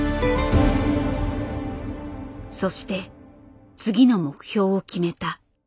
そして次の目標を決めた。